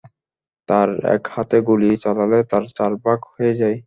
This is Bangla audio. তার এক হাতে গুলি চালালে তার চার ভাগ হয়ে যায়।